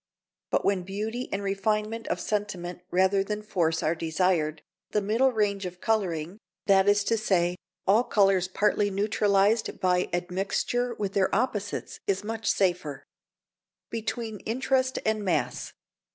But when beauty and refinement of sentiment rather than force are desired, the middle range of colouring (that is to say, all colours partly neutralised by admixture with their opposites) is much safer. [Sidenote: Between Interest and Mass.